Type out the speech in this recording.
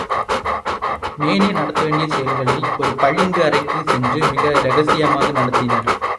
மேலே நடத்த வேண்டிய செயல்களை ஒரு பளிங்கு அறைக்குச் சென்று மிக இரகசியமாக நடத்தினர்.